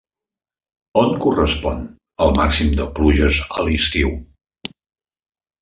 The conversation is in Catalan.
On correspon el màxim de pluges a l'estiu?